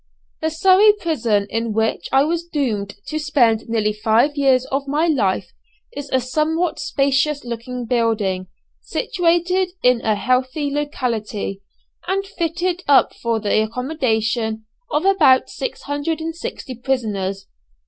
The Surrey prison in which I was doomed to spend nearly five years of my life is a somewhat spacious looking building, situated in a healthy locality, and fitted up for the accommodation of about 660 prisoners.